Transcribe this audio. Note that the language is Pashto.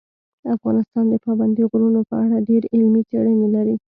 افغانستان د پابندي غرونو په اړه ډېرې علمي څېړنې لري.